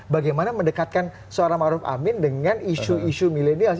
bagaimana mendekatkan seorang maruf amin dengan isu isu milenial